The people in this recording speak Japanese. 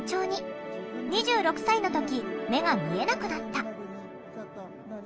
２６歳の時目が見えなくなった。